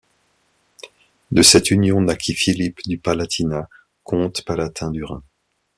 De cette union naquit Philippe du Palatinat, comte palatin du Rhin.